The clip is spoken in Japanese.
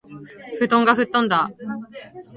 布団が吹っ飛んだあ